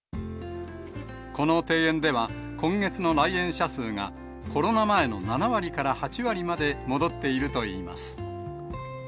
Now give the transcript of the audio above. この庭園では、今月の来園者数がコロナ前の７割から８割まで戻っているといいます。